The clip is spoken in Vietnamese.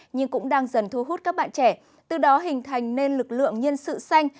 nhưng cũng đang dần thu hút các bạn trẻ từ đó hình thành nên lực lượng nhân sự xanh